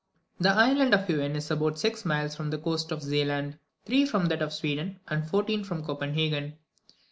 The island of Huen is about sxix miles from the coast of Zealand, three from that of Sweden, and fourteen from Copenhagen.